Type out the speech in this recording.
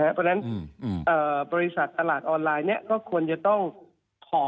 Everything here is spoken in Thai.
เพราะฉะนั้นบริษัทตลาดออนไลน์ก็ควรจะต้องขอ